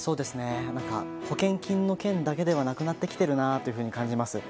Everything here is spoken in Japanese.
保険金の件だけではなくなってきているなと感じます。